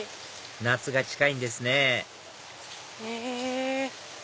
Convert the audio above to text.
夏が近いんですねへぇ。